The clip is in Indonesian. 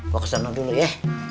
gue kesana dulu ya